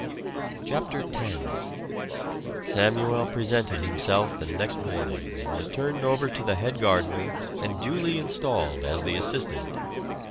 CHAPTER X Samuel presented himself the next morning and was turned over to the head gardener and duly installed as an assistant.